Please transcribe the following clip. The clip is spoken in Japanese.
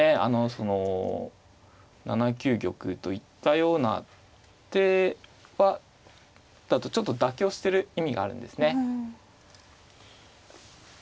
その７九玉といったような手だとちょっと妥協してる意味があるんですね。